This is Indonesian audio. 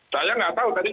saya nggak tahu